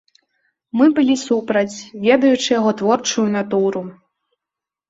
Мы былі супраць, ведаючы яго творчую натуру!